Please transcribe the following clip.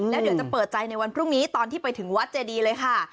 แล้วเดี๋ยวจะเปิดใจในวันพรุ่งนี้ตอนที่ไปถึงวัดเจดีเลยค่ะ